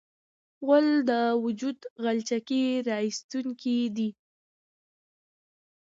غول د وجود غلچکي راایستونکی دی.